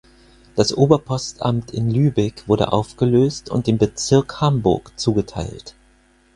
Das Oberpostamt in Lübeck wurde aufgelöst und dem Bezirk Hamburg zugeteilt.